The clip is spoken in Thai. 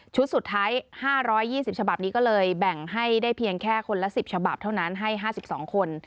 สุดท้าย๕๒๐ฉบับนี้ก็เลยแบ่งให้ได้เพียงแค่คนละ๑๐ฉบับเท่านั้นให้๕๒คน